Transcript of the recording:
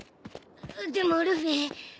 でもルフィ。